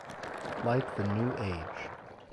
Like the New Age.